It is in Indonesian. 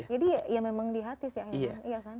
jadi ya memang di hati sih akhirnya kan